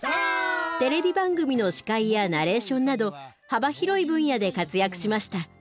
テレビ番組の司会やナレーションなど幅広い分野で活躍しました。